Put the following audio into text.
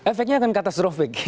efeknya akan katastrofik